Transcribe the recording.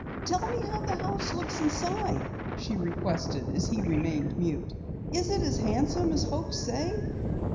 "Tell me how the house looks inside," she requested as he remained mute. "Is it as handsome as folks say?"